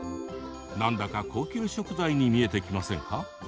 何だか高級食材に見えてきませんか？